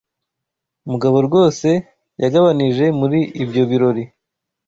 Mugabo rwose yagabanije muri ibyo birori.